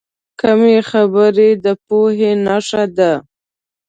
کمې خبرې، د پوهې نښه ده.